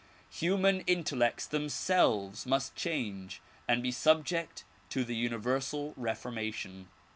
Human intel lects themselves must change and be subject to the universal re formation.